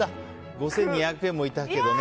５２００円もいたけどね。